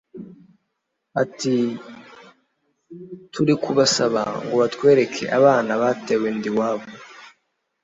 Ati “Turi kubasaba ngo batwereke abana batewe inda iwabo